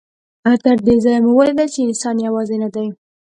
تر دې ځایه مو ولیدل چې انسان یوازې نه دی.